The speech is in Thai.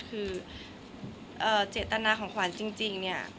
คือเจตนาของขวัญจริงเนี่ย